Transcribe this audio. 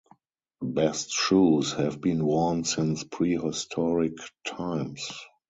Bast shoes have been worn since prehistoric times.